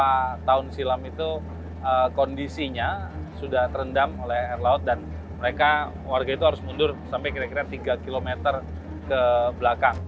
karena tahun silam itu kondisinya sudah terendam oleh air laut dan mereka warga itu harus mundur sampai kira kira tiga km ke belakang